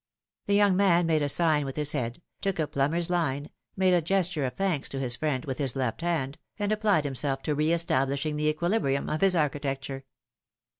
The young man made a sign with his head, took a plumber's line, made a gesture of thanks to his friend with his left hand, and applied himself to re establishing the equilibrium of his architecture.